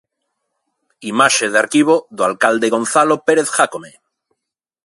Imaxe de arquivo do alcalde, Gonzalo Pérez Jácome.